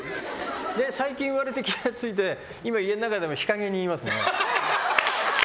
最近、言われて気が付いて今、家の中でも日陰にいますね。